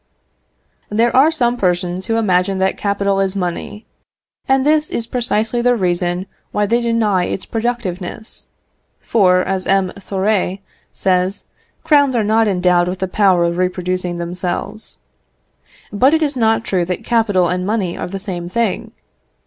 There are some persons who imagine that capital is money, and this is precisely the reason why they deny its productiveness; for, as M. Thoré says, crowns are not endowed with the power of reproducing themselves. But it is not true that capital and money are the same thing.